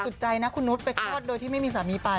สุดใจนะคุณนุษย์ไปคลอดโดยที่ไม่มีสามีไป